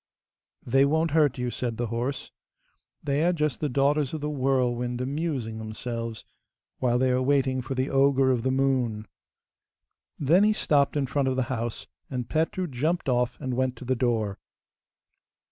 'They won't hurt you,' said the horse; 'they are just the daughters of the whirlwind amusing themselves while they are waiting for the ogre of the moon.' Then he stopped in front of the house, and Petru jumped off and went to the door.